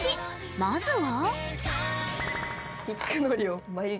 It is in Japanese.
まずは。